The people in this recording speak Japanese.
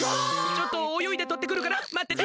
ちょっとおよいでとってくるからまってて！